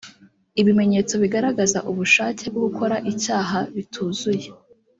ibimenyetso bigaragaza ubushake bwo gukora icyaha bituzuye